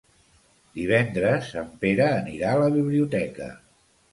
Divendres en Pere anirà a la biblioteca.